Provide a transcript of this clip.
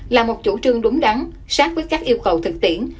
là một chủ trương đúng đắn sát với các yêu cầu thực tiễn